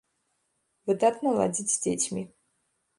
Выдатна ладзіць з дзецьмі.